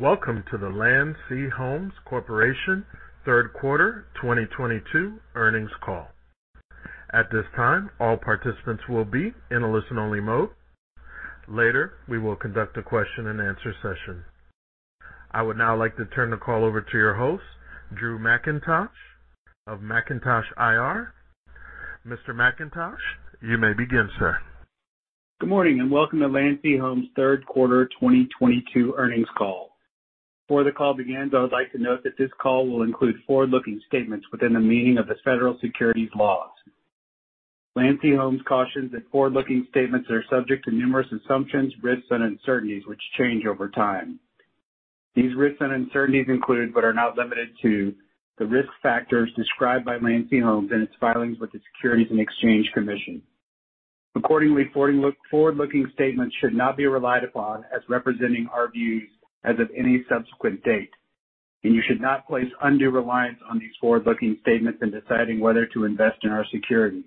Welcome to the Landsea Homes Corporation third quarter 2022 earnings call. At this time, all participants will be in a listen-only mode. Later, we will conduct a question-and-answer session. I would now like to turn the call over to your host, Drew Mackintosh of Mackintosh IR. Mr. Mackintosh, you may begin, sir. Good morning, and welcome to Landsea Homes third quarter 2022 earnings call. Before the call begins, I would like to note that this call will include forward-looking statements within the meaning of the federal securities laws. Landsea Homes cautions that forward-looking statements are subject to numerous assumptions, risks, and uncertainties, which change over time. These risks and uncertainties include, but are not limited to, the risk factors described by Landsea Homes in its filings with the Securities and Exchange Commission. Accordingly, forward-looking statements should not be relied upon as representing our views as of any subsequent date, and you should not place undue reliance on these forward-looking statements in deciding whether to invest in our securities.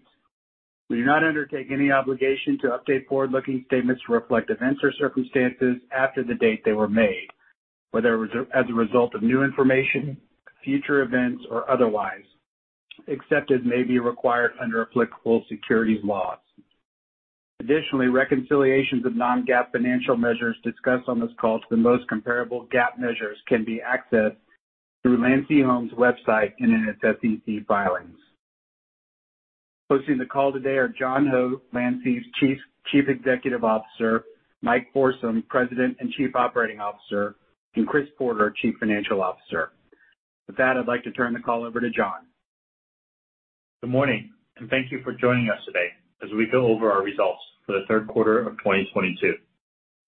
We do not undertake any obligation to update forward-looking statements to reflect events or circumstances after the date they were made, whether as a result of new information, future events, or otherwise, except as may be required under applicable securities laws. Additionally, reconciliations of non-GAAP financial measures discussed on this call to the most comparable GAAP measures can be accessed through Landsea Homes' website and in its SEC filings. Hosting the call today are John Ho, Landsea's Chief Executive Officer, Mike Forsum, President and Chief Operating Officer, and Chris Porter, Chief Financial Officer. With that, I'd like to turn the call over to John. Good morning, and thank you for joining us today as we go over our results for the third quarter of 2022,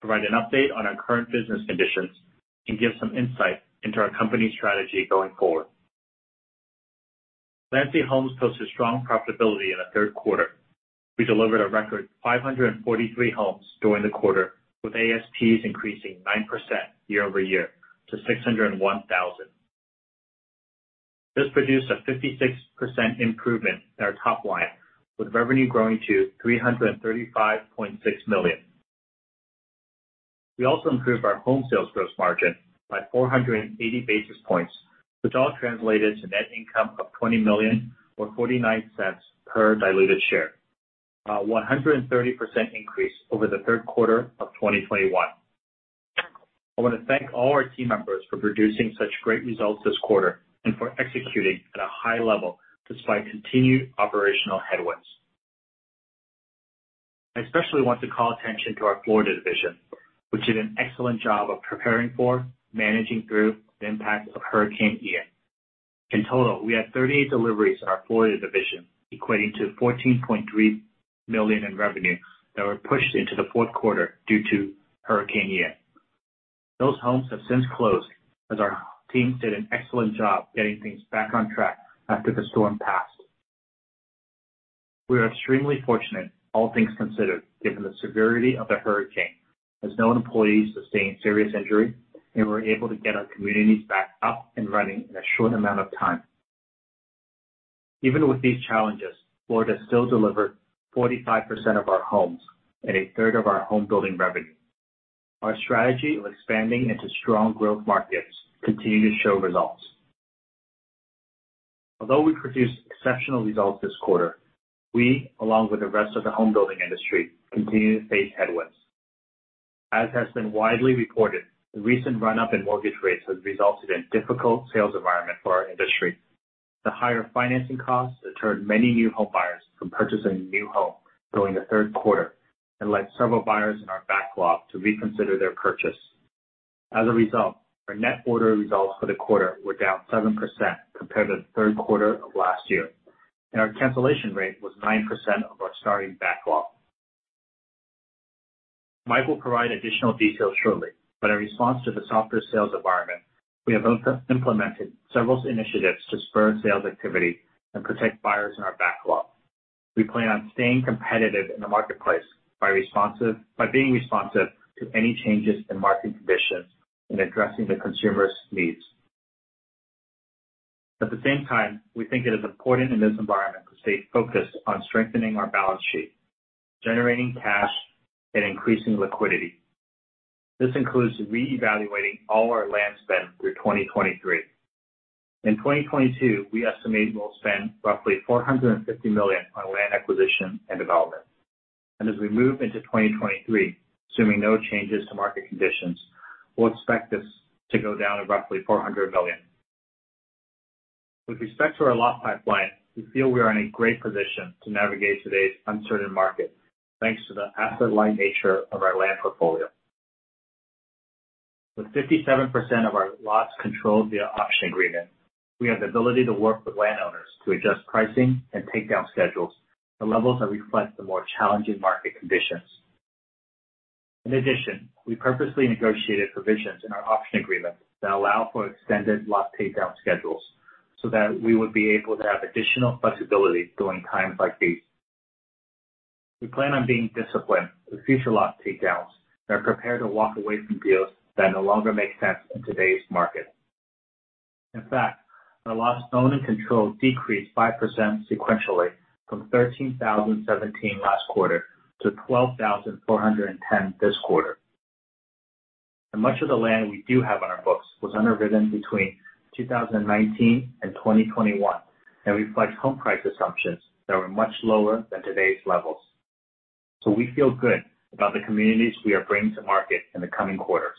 provide an update on our current business conditions, and give some insight into our company strategy going forward. Landsea Homes posted strong profitability in the third quarter. We delivered a record 543 homes during the quarter, with ASPs increasing 9% year-over-year to $601,000. This produced a 56% improvement in our top line, with revenue growing to $335.6 million. We also improved our home sales gross margin by 480 basis points, which all translated to net income of $20 million or $0.49 per diluted share, a 130% increase over the third quarter of 2021. I want to thank all our team members for producing such great results this quarter and for executing at a high level despite continued operational headwinds. I especially want to call attention to our Florida division, which did an excellent job of preparing for, managing through the impact of Hurricane Ian. In total, we had 38 deliveries in our Florida division, equating to $14.3 million in revenue that were pushed into the fourth quarter due to Hurricane Ian. Those homes have since closed, as our teams did an excellent job getting things back on track after the storm passed. We are extremely fortunate, all things considered, given the severity of the hurricane, as no employees sustained serious injury, and we were able to get our communities back up and running in a short amount of time. Even with these challenges, Florida still delivered 45% of our homes and 1/3 of our homebuilding revenue. Our strategy of expanding into strong growth markets continue to show results. Although we produced exceptional results this quarter, we, along with the rest of the homebuilding industry, continue to face headwinds. As has been widely reported, the recent run-up in mortgage rates has resulted in difficult sales environment for our industry. The higher financing costs deterred many new homebuyers from purchasing a new home during the third quarter and led several buyers in our backlog to reconsider their purchase. As a result, our net order results for the quarter were down 7% compared to the third quarter of last year, and our cancellation rate was 9% of our starting backlog. Mike will provide additional details shortly, but in response to the softer sales environment, we have also implemented several initiatives to spur sales activity and protect buyers in our backlog. We plan on staying competitive in the marketplace by being responsive to any changes in market conditions and addressing the consumers' needs. At the same time, we think it is important in this environment to stay focused on strengthening our balance sheet, generating cash, and increasing liquidity. This includes reevaluating all our land spend through 2023. In 2022, we estimate we'll spend roughly $450 million on land acquisition and development. As we move into 2023, assuming no changes to market conditions, we'll expect this to go down to roughly $400 million. With respect to our lot pipeline, we feel we are in a great position to navigate today's uncertain market, thanks to the asset-light nature of our land portfolio. With 57% of our lots controlled via option agreement, we have the ability to work with landowners to adjust pricing and takedown schedules to levels that reflect the more challenging market conditions. In addition, we purposely negotiated provisions in our option agreements that allow for extended lot takedown schedules so that we would be able to have additional flexibility during times like these. We plan on being disciplined with future lot takedowns and are prepared to walk away from deals that no longer make sense in today's market. In fact, our lots owned and controlled decreased 5% sequentially from 13,017 last quarter to 12,410 this quarter. Much of the land we do have on our books was underwritten between 2019 and 2021 and reflect home price assumptions that were much lower than today's levels. We feel good about the communities we are bringing to market in the coming quarters.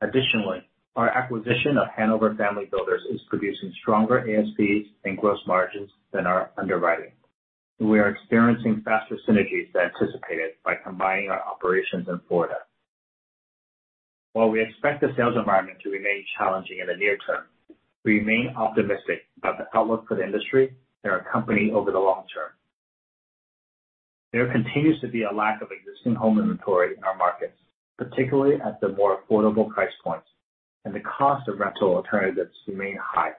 Additionally, our acquisition of Hanover Family Builders is producing stronger ASPs and gross margins than our underwriting. We are experiencing faster synergies than anticipated by combining our operations in Florida. While we expect the sales environment to remain challenging in the near term, we remain optimistic about the outlook for the industry and our company over the long term. There continues to be a lack of existing home inventory in our markets, particularly at the more affordable price points, and the cost of rental alternatives remain high.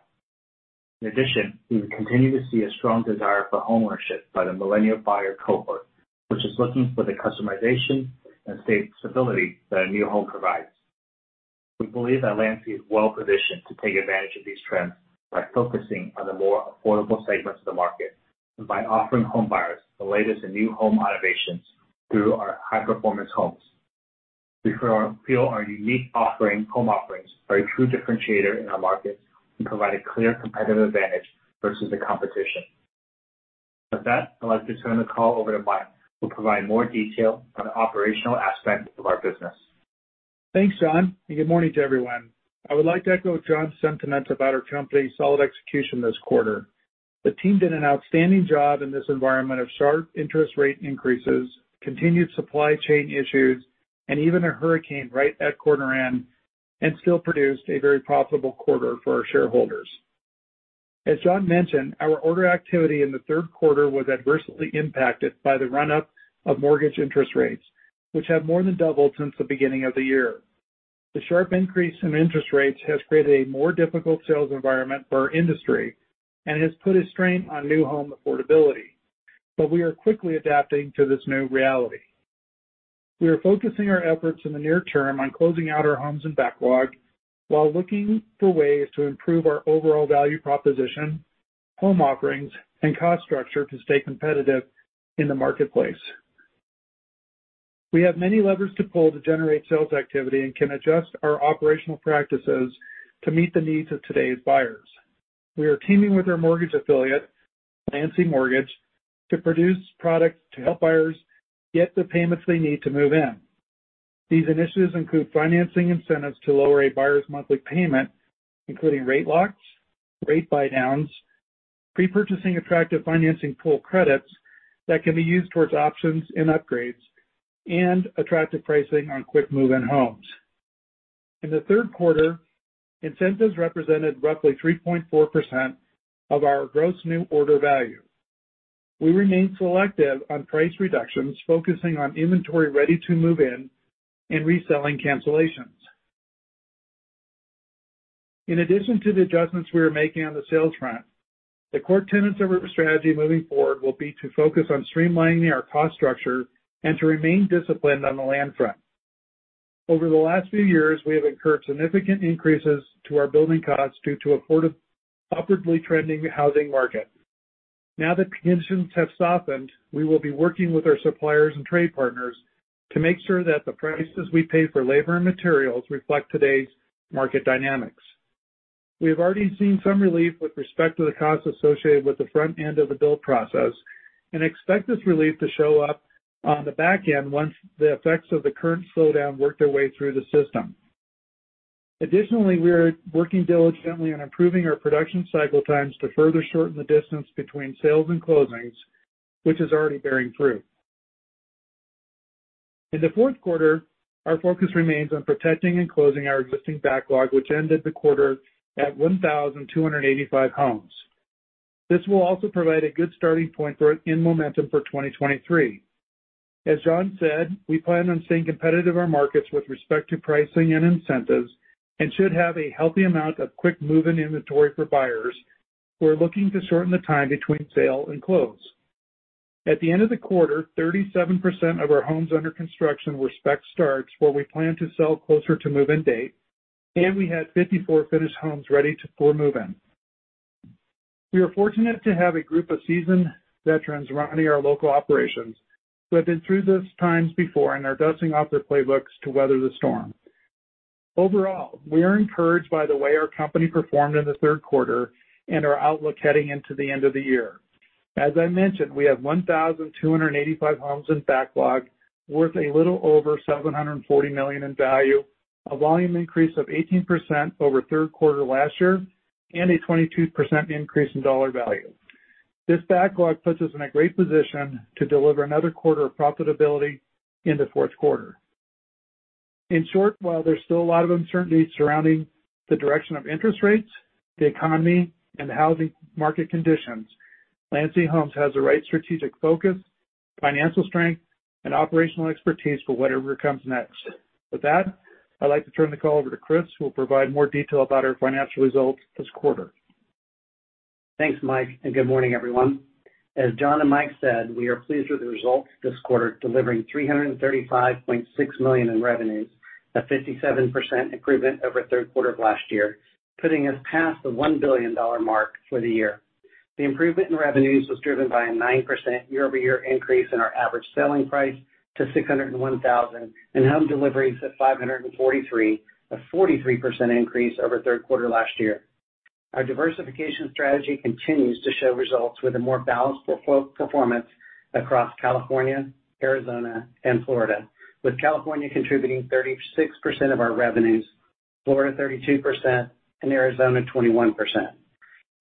In addition, we continue to see a strong desire for homeownership by the millennial buyer cohort, which is looking for the customization and stability that a new home provides. We believe that Landsea is well-positioned to take advantage of these trends by focusing on the more affordable segments of the market and by offering home buyers the latest in new home innovations through our High Performance Homes. We feel our unique offering, home offerings are a true differentiator in our markets and provide a clear competitive advantage versus the competition. With that, I'd like to turn the call over to Mike, who'll provide more detail on the operational aspect of our business. Thanks, John, and good morning to everyone. I would like to echo John's sentiments about our company's solid execution this quarter. The team did an outstanding job in this environment of sharp interest rate increases, continued supply chain issues, and even a hurricane right at quarter end, and still produced a very profitable quarter for our shareholders. As John mentioned, our order activity in the third quarter was adversely impacted by the run-up of mortgage interest rates, which have more than doubled since the beginning of the year. The sharp increase in interest rates has created a more difficult sales environment for our industry and has put a strain on new home affordability, but we are quickly adapting to this new reality. We are focusing our efforts in the near term on closing out our homes and backlog while looking for ways to improve our overall value proposition, home offerings, and cost structure to stay competitive in the marketplace. We have many levers to pull to generate sales activity and can adjust our operational practices to meet the needs of today's buyers. We are teaming with our mortgage affiliate, Landsea Mortgage, to produce products to help buyers get the payments they need to move in. These initiatives include financing incentives to lower a buyer's monthly payment, including rate locks, rate buydowns, pre-purchasing attractive financing pool credits that can be used towards options and upgrades, and attractive pricing on quick move-in homes. In the third quarter, incentives represented roughly 3.4% of our gross new order value. We remain selective on price reductions, focusing on inventory ready to move in and reselling cancellations. In addition to the adjustments we are making on the sales front, the core tenets of our strategy moving forward will be to focus on streamlining our cost structure and to remain disciplined on the land front. Over the last few years, we have incurred significant increases to our building costs due to upwardly trending housing market. Now that conditions have softened, we will be working with our suppliers and trade partners to make sure that the prices we pay for labor and materials reflect today's market dynamics. We have already seen some relief with respect to the costs associated with the front end of the build process and expect this relief to show up on the back end once the effects of the current slowdown work their way through the system. Additionally, we are working diligently on improving our production cycle times to further shorten the distance between sales and closings, which is already bearing fruit. In the fourth quarter, our focus remains on protecting and closing our existing backlog, which ended the quarter at 1,285 homes. This will also provide a good starting point for incoming momentum for 2023. As John said, we plan on staying competitive in our markets with respect to pricing and incentives and should have a healthy amount of quick move-in inventory for buyers who are looking to shorten the time between sale and close. At the end of the quarter, 37% of our homes under construction were spec starts, where we plan to sell closer to move-in date, and we had 54 finished homes ready for move-in. We are fortunate to have a group of seasoned veterans running our local operations who have been through these times before and are dusting off their playbooks to weather the storm. Overall, we are encouraged by the way our company performed in the third quarter and our outlook heading into the end of the year. As I mentioned, we have 1,285 homes in backlog, worth a little over $740 million in value, a volume increase of 18% over third quarter last year, and a 22% increase in dollar value. This backlog puts us in a great position to deliver another quarter of profitability in the fourth quarter. In short, while there's still a lot of uncertainty surrounding the direction of interest rates, the economy, and the housing market conditions, Landsea Homes has the right strategic focus, financial strength, and operational expertise for whatever comes next. With that, I'd like to turn the call over to Chris, who will provide more detail about our financial results this quarter. Thanks, Mike, and good morning, everyone. As John and Mike said, we are pleased with the results this quarter, delivering $335.6 million in revenues, a 57% improvement over third quarter of last year, putting us past the $1 billion mark for the year. The improvement in revenues was driven by a 9% year-over-year increase in our average selling price to $601,000 and home deliveries at 543, a 43% increase over third quarter last year. Our diversification strategy continues to show results with a more balanced portfolio performance across California, Arizona and Florida, with California contributing 36% of our revenues, Florida 32%, and Arizona 21%.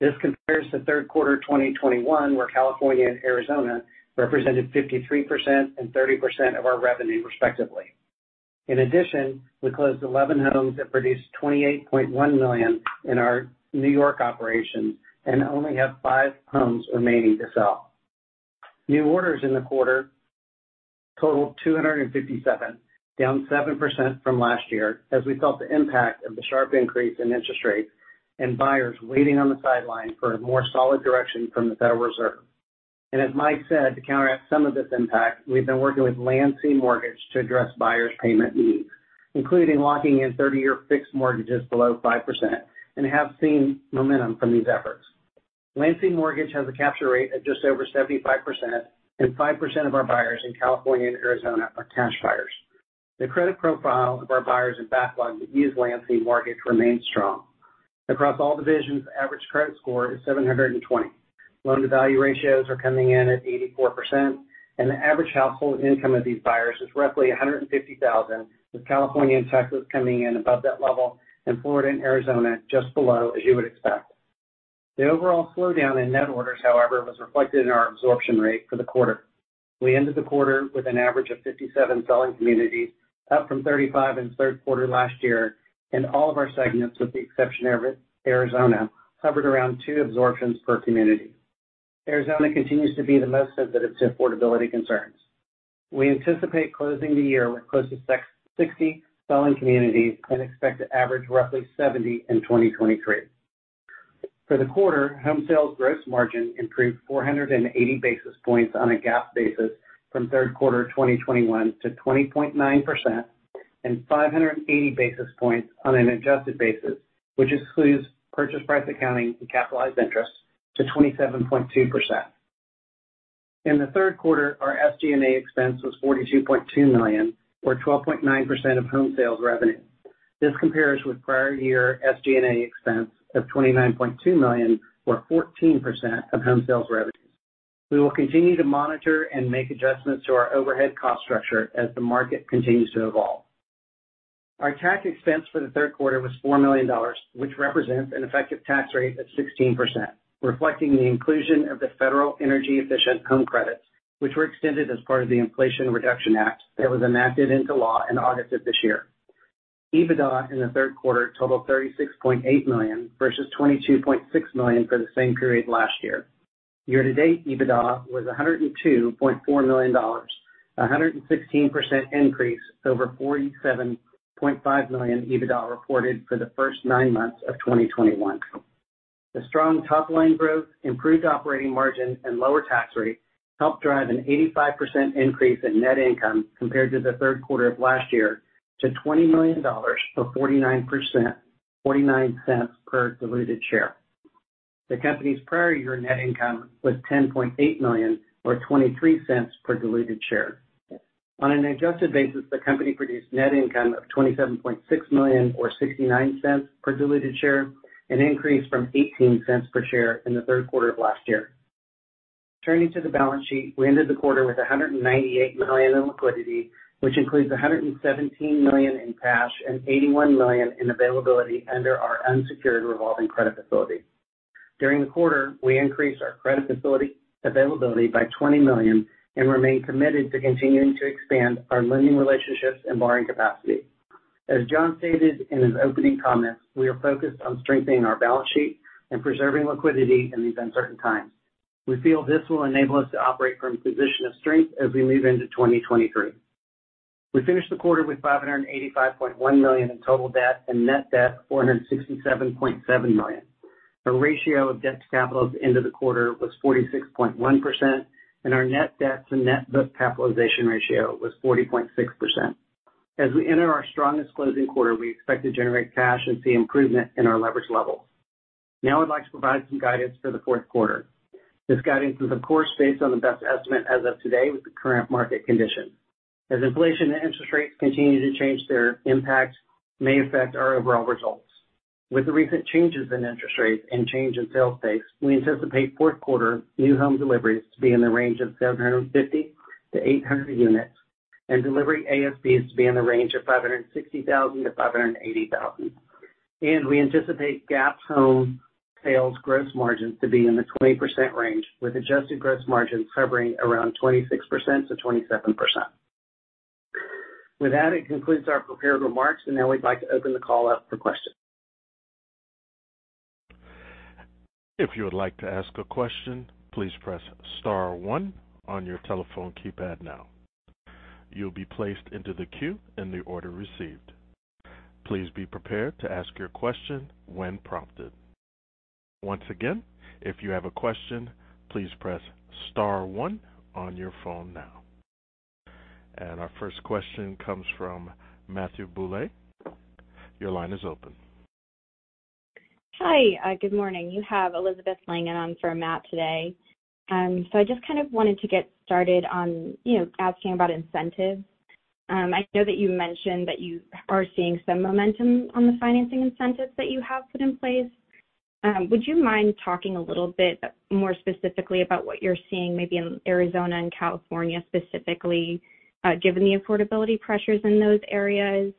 This compares to third quarter 2021, where California and Arizona represented 53% and 30% of our revenue respectively. In addition, we closed 11 homes that produced $28.1 million in our New York operations and only have five homes remaining to sell. New orders in the quarter totaled 257, down 7% from last year as we felt the impact of the sharp increase in interest rates and buyers waiting on the sidelines for a more solid direction from the Federal Reserve. As Mike said, to counteract some of this impact, we've been working with Landsea Mortgage to address buyers' payment needs, including locking in 30-year fixed mortgages below 5%, and have seen momentum from these efforts. Landsea Mortgage has a capture rate of just over 75%, and 5% of our buyers in California and Arizona are cash buyers. The credit profile of our buyers and backlogs that use Landsea Mortgage remains strong. Across all divisions, average credit score is 720. Loan to value ratios are coming in at 84%, and the average household income of these buyers is roughly $150,000, with California and Texas coming in above that level and Florida and Arizona just below, as you would expect. The overall slowdown in net orders, however, was reflected in our absorption rate for the quarter. We ended the quarter with an average of 57 selling communities, up from 35 in the third quarter last year. All of our segments, with the exception of our Arizona, hovered around two absorptions per community. Arizona continues to be the most sensitive to affordability concerns. We anticipate closing the year with close to 60 selling communities and expect to average roughly 70 in 2023. For the quarter, home sales gross margin improved 480 basis points on a GAAP basis from third quarter 2021 to 20.9% and 580 basis points on an adjusted basis, which includes purchase price accounting and capitalized interest to 27.2%. In the third quarter, our SG&A expense was $42.2 million, or 12.9% of home sales revenue. This compares with prior year SG&A expense of $29.2 million, or 14% of home sales revenue. We will continue to monitor and make adjustments to our overhead cost structure as the market continues to evolve. Our tax expense for the third quarter was $4 million, which represents an effective tax rate of 16%, reflecting the inclusion of the federal energy efficient home credits, which were extended as part of the Inflation Reduction Act that was enacted into law in August of this year. EBITDA in the third quarter totaled $36.8 million versus $22.6 million for the same period last year. Year to date, EBITDA was $102.4 million, a 116% increase over $47.5 million EBITDA reported for the first nine months of 2021. The strong top line growth, improved operating margin and lower tax rate helped drive an 85% increase in net income compared to the third quarter of last year to $20 million, or 49%, $0.49 per diluted share. The company's prior year net income was $10.8 million or $0.23 per diluted share. On an adjusted basis, the company produced net income of $27.6 million or $0.69 per diluted share, an increase from $0.18 per share in the third quarter of last year. Turning to the balance sheet, we ended the quarter with $198 million in liquidity, which includes $117 million in cash and $81 million in availability under our unsecured revolving credit facility. During the quarter, we increased our credit facility availability by $20 million and remain committed to continuing to expand our lending relationships and borrowing capacity. As John stated in his opening comments, we are focused on strengthening our balance sheet and preserving liquidity in these uncertain times. We feel this will enable us to operate from a position of strength as we move into 2023. We finished the quarter with $585.1 million in total debt and net debt of $467.7 million. Our ratio of debt to capital at the end of the quarter was 46.1%, and our net debt to net book capitalization ratio was 40.6%. As we enter our strongest closing quarter, we expect to generate cash and see improvement in our leverage levels. Now I'd like to provide some guidance for the fourth quarter. This guidance is of course based on the best estimate as of today with the current market conditions. As inflation and interest rates continue to change, their impact may affect our overall results. With the recent changes in interest rates and change in sales pace, we anticipate fourth quarter new home deliveries to be in the range of 750-800 units and delivery ASPs to be in the range of $560,000-$580,000. We anticipate GAAP home sales gross margins to be in the 20% range, with adjusted gross margins hovering around 26%-27%. With that, it concludes our prepared remarks, and now we'd like to open the call up for questions. If you would like to ask a question, please press star one on your telephone keypad now. You'll be placed into the queue in the order received. Please be prepared to ask your question when prompted. Once again, if you have a question, please press star one on your phone now. Our first question comes from Matthew Bouley. Your line is open. Hi, good morning. You have Elizabeth Langan on for Matt today. I just kind of wanted to get started on, you know, asking about incentives. I know that you mentioned that you are seeing some momentum on the financing incentives that you have put in place. Would you mind talking a little bit more specifically about what you're seeing maybe in Arizona and California specifically, given the affordability pressures in those areas?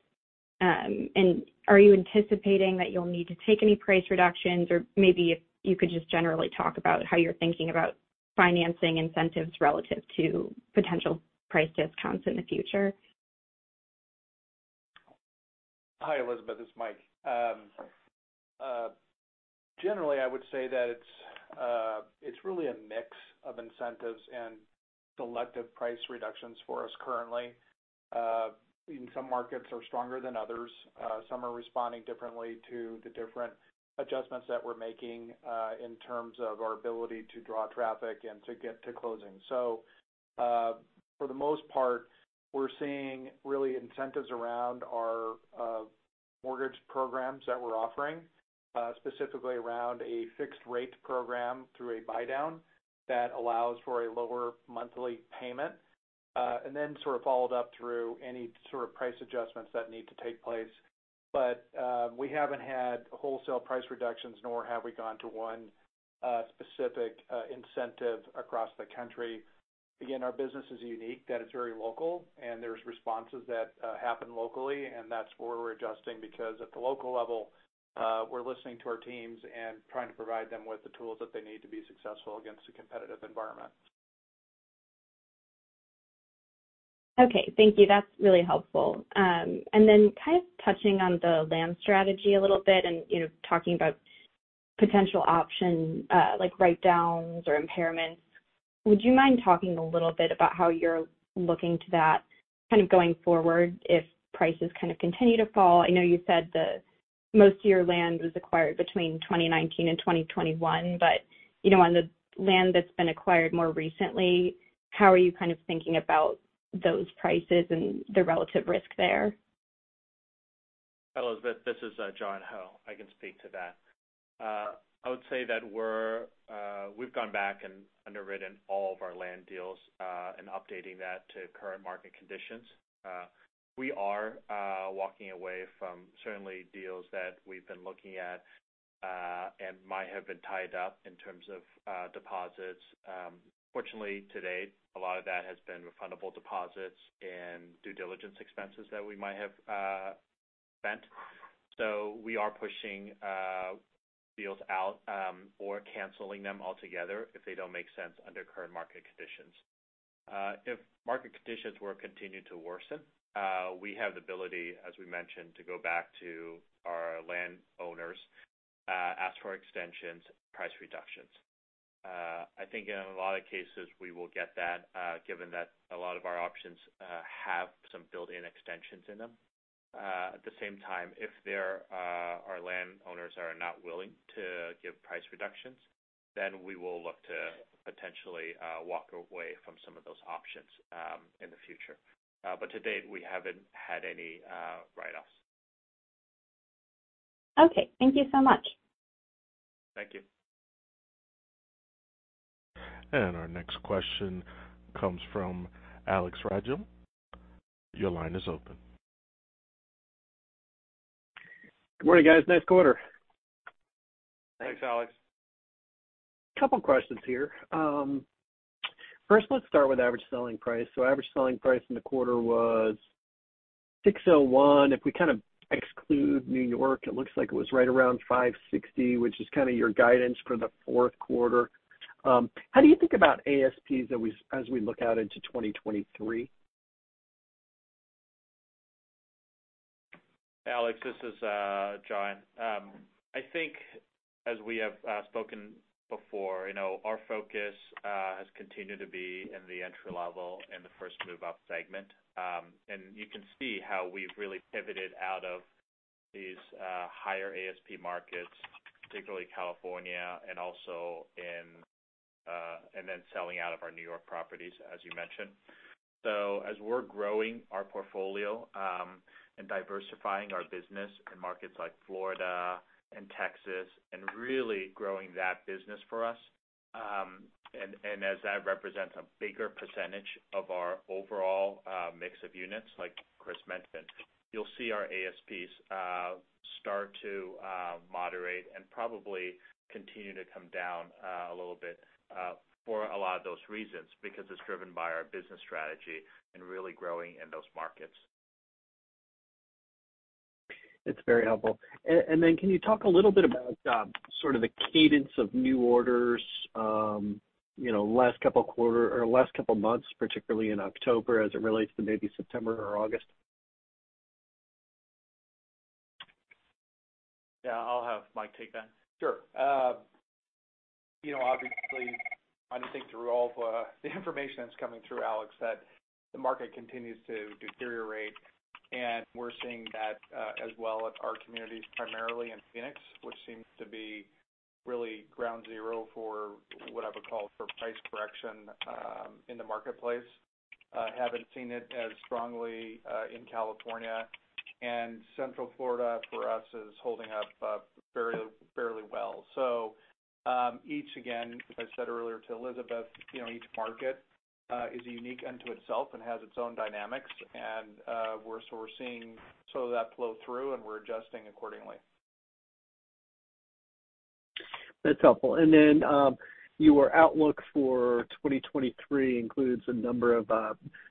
Are you anticipating that you'll need to take any price reductions or maybe if you could just generally talk about how you're thinking about financing incentives relative to potential price discounts in the future. Hi, Elizabeth, this is Mike. Generally, I would say that it's really a mix of incentives and selective price reductions for us currently. Some markets are stronger than others. Some are responding differently to the different adjustments that we're making, in terms of our ability to draw traffic and to get to closing. For the most part, we're seeing really incentives around our mortgage programs that we're offering, specifically around a fixed rate program through a buy-down that allows for a lower monthly payment, and then sort of followed up through any sort of price adjustments that need to take place. We haven't had wholesale price reductions, nor have we gone to one specific incentive across the country. Again, our business is unique, that it's very local, and there's responses that happen locally, and that's where we're adjusting because at the local level, we're listening to our teams and trying to provide them with the tools that they need to be successful against the competitive environment. Okay, thank you. That's really helpful. Kind of touching on the land strategy a little bit and, you know, talking about potential option, like write-downs or impairments. Would you mind talking a little bit about how you're looking to that kind of going forward if prices kind of continue to fall? I know you said the most of your land was acquired between 2019 and 2021, but, you know, on the land that's been acquired more recently, how are you kind of thinking about those prices and the relative risk there? Elizabeth, this is John Ho. I can speak to that. I would say that we've gone back and underwritten all of our land deals and updating that to current market conditions. We are walking away from certain deals that we've been looking at and might have been tied up in terms of deposits. Fortunately, to date, a lot of that has been refundable deposits and due diligence expenses that we might have spent. We are pushing deals out or canceling them altogether if they don't make sense under current market conditions. If market conditions were continued to worsen, we have the ability, as we mentioned, to go back to our land owners ask for extensions, price reductions. I think in a lot of cases, we will get that, given that a lot of our options have some built-in extensions in them. At the same time, if our landowners are not willing to give price reductions, then we will look to potentially walk away from some of those options in the future. To date, we haven't had any write-offs. Okay. Thank you so much. Thank you. Our next question comes from Alex Rygiel. Your line is open. Good morning, guys. Nice quarter. Thanks, Alex. Couple questions here. First, let's start with average selling price. Average selling price in the quarter was $601. If we kind of exclude New York, it looks like it was right around $560, which is kind of your guidance for the fourth quarter. How do you think about ASPs as we look out into 2023? Alex, this is John Ho. I think as we have spoken before, you know, our focus has continued to be in the entry-level and the first move-up segment. You can see how we've really pivoted out of these higher ASP markets, particularly California and also, and then selling out of our New York properties, as you mentioned. As we're growing our portfolio and diversifying our business in markets like Florida and Texas and really growing that business for us, and as that represents a bigger percentage of our overall mix of units, like Chris mentioned, you'll see our ASPs start to moderate and probably continue to come down a little bit for a lot of those reasons, because it's driven by our business strategy and really growing in those markets. It's very helpful. Can you talk a little bit about, sort of the cadence of new orders, you know, last couple quarter or last couple of months, particularly in October as it relates to maybe September or August? Yeah, I'll have Mike take that. Sure. You know, obviously, I think through all the information that's coming through, Alex, that the market continues to deteriorate, and we're seeing that, as well at our communities, primarily in Phoenix, which seems to be really ground zero for what I would call for price correction, in the marketplace. Haven't seen it as strongly, in California and Central Florida for us is holding up, fairly well. Each again, as I said earlier to Elizabeth, you know, each market, is unique unto itself and has its own dynamics. We're seeing some of that flow through, and we're adjusting accordingly. That's helpful. Your outlook for 2023 includes a number of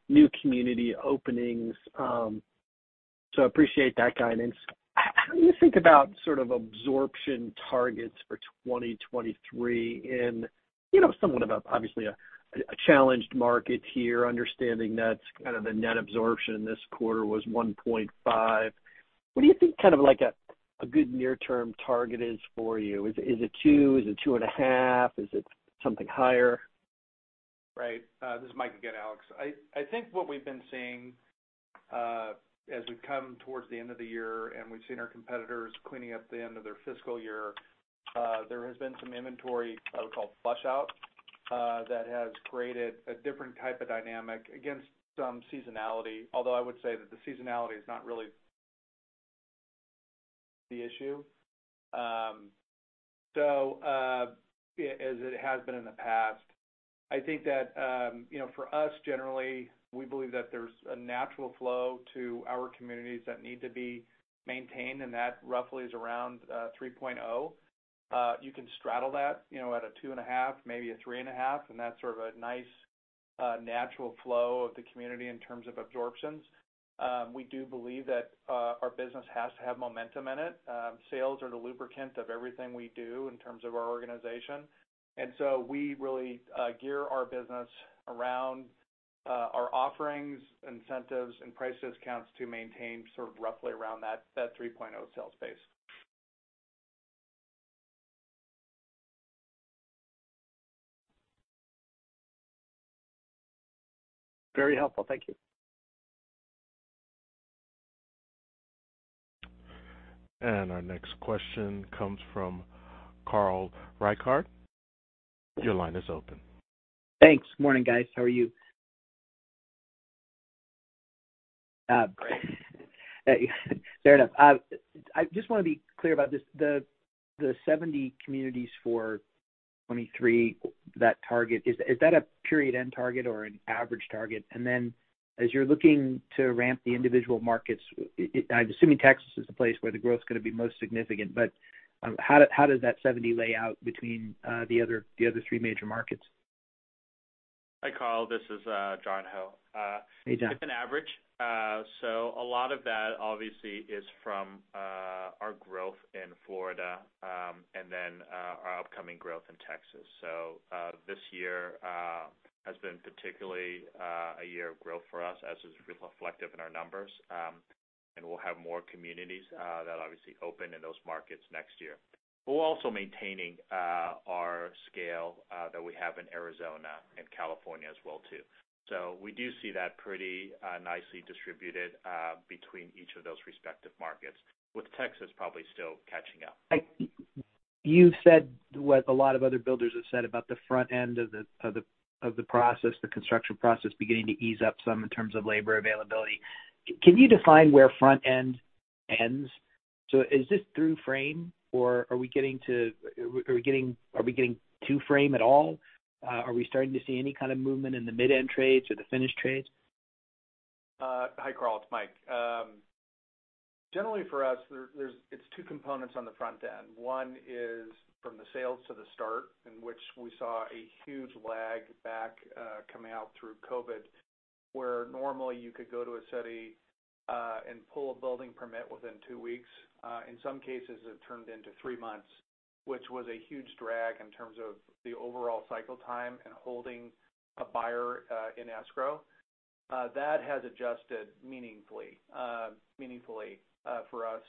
new community openings. Appreciate that guidance. How do you think about sort of absorption targets for 2023 and, you know, somewhat of a obviously a challenged market here, understanding that's kind of the net absorption this quarter was 1.5. What do you think kind of like a good near-term target is for you? Is it 2? Is it 2.5? Is it something higher? Right. This is Mike again, Alex. I think what we've been seeing, as we come towards the end of the year, and we've seen our competitors cleaning up the end of their fiscal year, there has been some inventory I would call flush out, that has created a different type of dynamic against some seasonality. Although I would say that the seasonality is not really the issue. As it has been in the past, I think that, you know, for us, generally, we believe that there's a natural flow to our communities that need to be maintained, and that roughly is around 3.0. You can straddle that, you know, at a 2.5, maybe a 3.5, and that's sort of a nice natural flow of the community in terms of absorptions. We do believe that our business has to have momentum in it. Sales are the lubricant of everything we do in terms of our organization. We really gear our business around our offerings, incentives, and price discounts to maintain sort of roughly around that 3.0 sales base. Very helpful. Thank you. Our next question comes from Carl Reichardt. Your line is open. Thanks. Morning, guys. How are you? Fair enough. I just wanna be clear about this. The 70 communities for 2023, that target, is that a period end target or an average target? Then as you're looking to ramp the individual markets, I'm assuming Texas is the place where the growth is gonna be most significant, but how does that 70 lay out between the other three major markets? Hi, Carl. This is John Ho. Hey, John. It's an average. A lot of that obviously is from our growth in Florida, and then our upcoming growth in Texas. This year has been particularly a year of growth for us, as is reflective in our numbers. We'll have more communities that obviously open in those markets next year. We're also maintaining our scale that we have in Arizona and California as well too. We do see that pretty nicely distributed between each of those respective markets, with Texas probably still catching up. You said what a lot of other builders have said about the front end of the process, the construction process beginning to ease up some in terms of labor availability. Can you define where front end ends? So is this through frame, or are we getting to frame at all? Are we starting to see any kind of movement in the mid-end trades or the finish trades? Hi, Carl. It's Mike. Generally for us, it's two components on the front end. One is from the sales to the start, in which we saw a huge lag back coming out through COVID, where normally you could go to a city and pull a building permit within two weeks. In some cases, it turned into three months, which was a huge drag in terms of the overall cycle time and holding a buyer in escrow. That has adjusted meaningfully for us.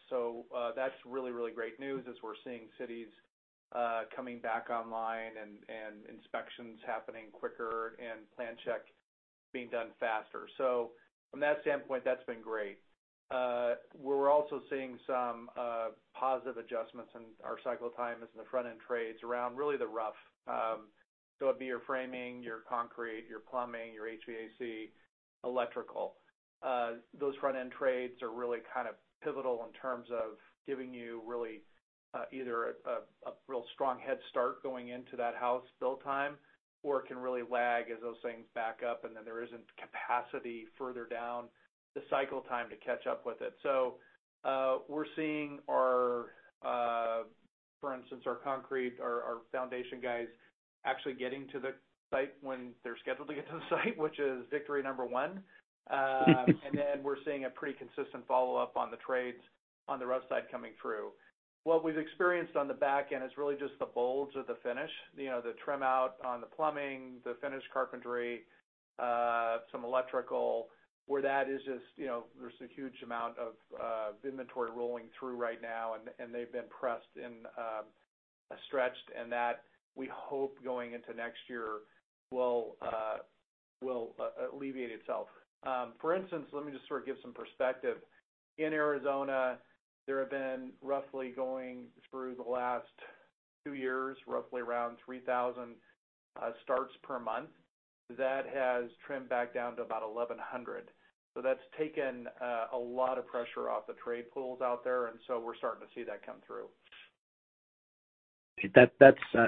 That's really great news as we're seeing cities coming back online and inspections happening quicker and plan check being done faster. From that standpoint, that's been great. We're also seeing some positive adjustments in our cycle time as in the front-end trades around really the rough. It'd be your framing, your concrete, your plumbing, your HVAC, electrical. Those front-end trades are really kind of pivotal in terms of giving you really either a real strong head start going into that house build time, or it can really lag as those things back up, and then there isn't capacity further down the cycle time to catch up with it. We're seeing our, for instance, our concrete, our foundation guys actually getting to the site when they're scheduled to get to the site, which is victory number one. We're seeing a pretty consistent follow-up on the trades on the rough side coming through. What we've experienced on the back end is really just the bottlenecks of the finish, you know, the trim out on the plumbing, the finished carpentry. Some electrical, where that is just, you know, there's a huge amount of inventory rolling through right now, and they've been pressed and stretched, and that we hope going into next year will alleviate itself. For instance, let me just sort of give some perspective. In Arizona, there have been roughly, going through the last two years, roughly around 3,000 starts per month. That has trimmed back down to about 1,100. That's taken a lot of pressure off the trade pools out there, and we're starting to see that come through.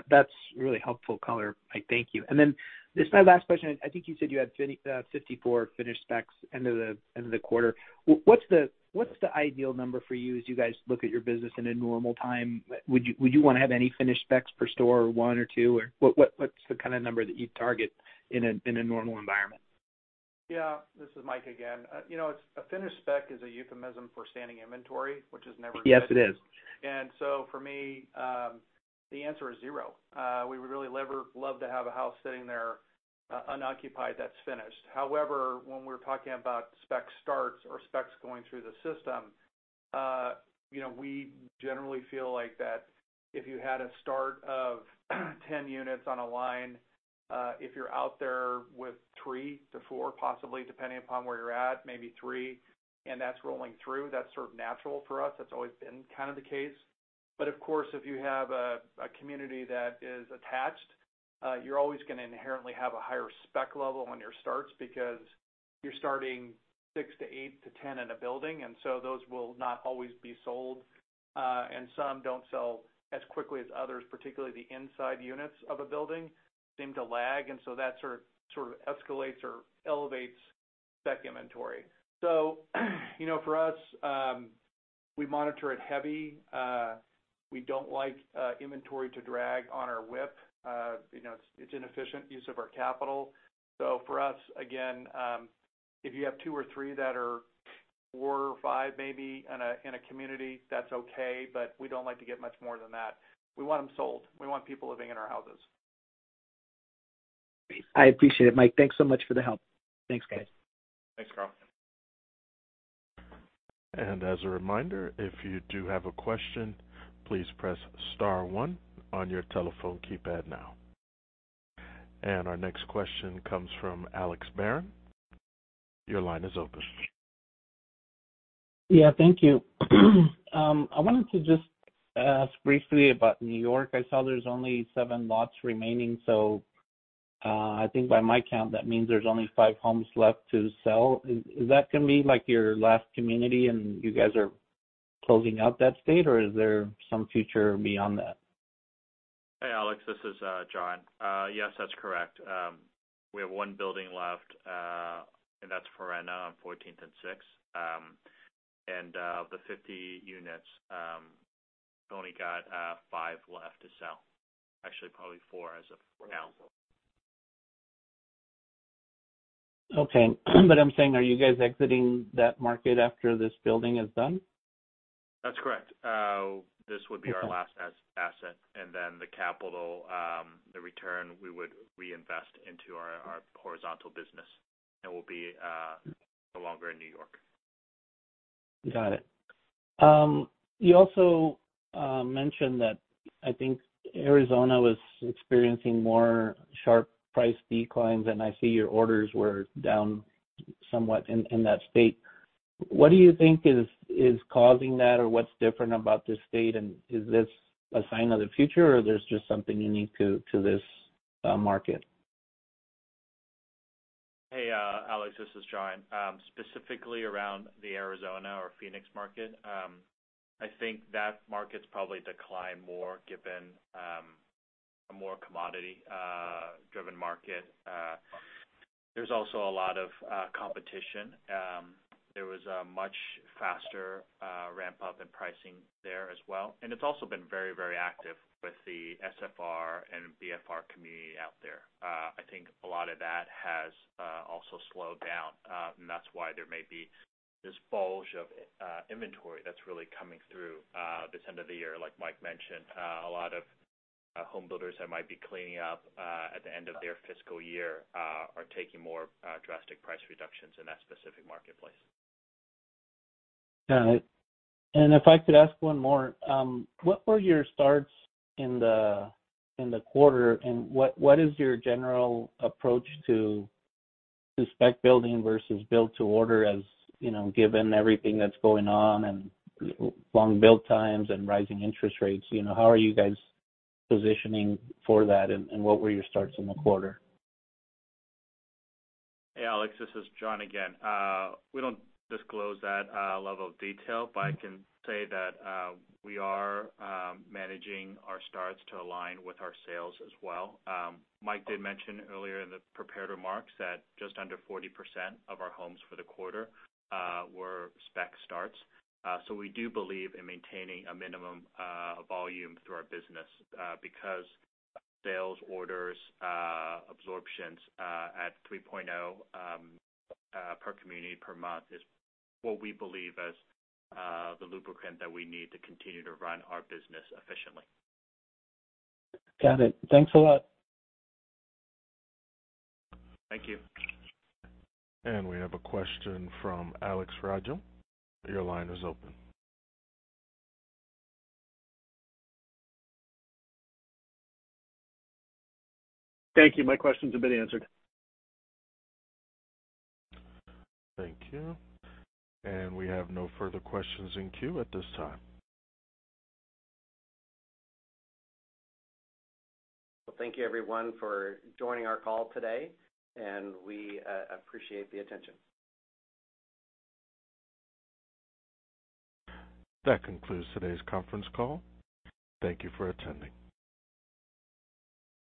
That's really helpful color. I thank you. Then this is my last question. I think you said you had 54 finished specs end of the quarter. What's the ideal number for you as you guys look at your business in a normal time? Would you wanna have any finished specs per store or one or two? Or what's the kind of number that you target in a normal environment? Yeah, this is Mike again. You know, it's a finished spec is a euphemism for standing inventory, which is never good. Yes, it is. For me, the answer is zero. We would really love to have a house sitting there unoccupied that's finished. However, when we're talking about spec starts or specs going through the system, you know, we generally feel like that if you had a start of 10 units on a line, if you're out there with three to four, possibly depending upon where you're at, maybe three, and that's rolling through, that's sort of natural for us. That's always been kind of the case. Of course, if you have a community that is attached, you're always gonna inherently have a higher spec level on your starts because you're starting six to eight to 10 in a building, and so those will not always be sold. Some don't sell as quickly as others, particularly the inside units of a building seem to lag, and so that sort of escalates or elevates spec inventory. You know, for us, we monitor it heavily. We don't like inventory to drag on our WIP. You know, it's inefficient use of our capital. For us, again, if you have two or three that are four or five maybe in a community, that's okay, but we don't like to get much more than that. We want them sold. We want people living in our houses. I appreciate it, Mike. Thanks so much for the help. Thanks, guys. Thanks, Carl. As a reminder, if you do have a question, please press star one on your telephone keypad now. Our next question comes from Alex Barron. Your line is open. Yeah, thank you. I wanted to just ask briefly about New York. I saw there's only seven lots remaining, so I think by my count, that means there's only five homes left to sell. Is that gonna be like your last community and you guys are closing out that state, or is there some future beyond that? Hey, Alex, this is John. Yes, that's correct. We have one building left, and that's FÖRENA on 14th and 6th. The 50 units only got five left to sell. Actually, probably four as of now. Okay. I'm saying, are you guys exiting that market after this building is done? That's correct. This would be our last asset, and then the capital, the return we would reinvest into our horizontal business, and we'll be no longer in New York. Got it. You also mentioned that I think Arizona was experiencing more sharp price declines, and I see your orders were down somewhat in that state. What do you think is causing that or what's different about this state and is this a sign of the future or there's just something unique to this market? Hey, Alex, this is John. Specifically around the Arizona or Phoenix market, I think that market's probably declined more given a more commodity driven market. There's also a lot of competition. There was a much faster ramp up in pricing there as well. It's also been very, very active with the SFR and BTR community out there. I think a lot of that has also slowed down, and that's why there may be this bulge of inventory that's really coming through this end of the year, like Mike mentioned. A lot of home builders that might be cleaning up at the end of their fiscal year are taking more drastic price reductions in that specific marketplace. Got it. If I could ask one more, what were your starts in the quarter, and what is your general approach to spec building versus build to order, you know, given everything that's going on and long build times and rising interest rates? You know, how are you guys positioning for that, and what were your starts in the quarter? Hey, Alex, this is John again. We don't disclose that level of detail, but I can say that we are managing our starts to align with our sales as well. Mike did mention earlier in the prepared remarks that just under 40% of our homes for the quarter were spec starts. We do believe in maintaining a minimum volume through our business because sales orders, absorptions at 3.0 per community per month is what we believe is the lubricant that we need to continue to run our business efficiently. Got it. Thanks a lot. Thank you. We have a question from Alex Rygiel. Your line is open. Thank you. My questions have been answered. Thank you. We have no further questions in queue at this time. Well, thank you everyone for joining our call today, and we appreciate the attention. That concludes today's conference call. Thank you for attending.